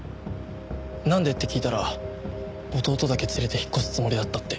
「なんで？」って聞いたら弟だけ連れて引っ越すつもりだったって。